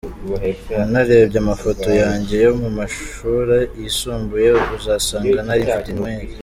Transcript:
Unarebye amafoto yanjye yo mu mashuri yisumbuye, uzasanga nari mfite inweri.”